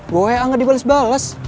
gua kayaknya ga dibales bales